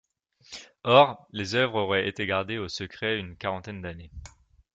Or, les œuvres auraient été gardées au secret une quarantaine d'années.